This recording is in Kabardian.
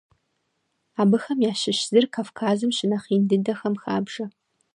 Абыхэм ящыщ зыр Кавказым щынэхъ ин дыдэхэм хабжэ.